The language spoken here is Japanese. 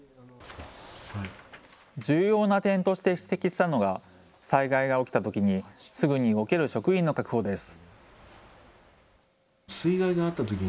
重要な点として指摘したのが災害が起きたときにすぐに動ける職員の確保です。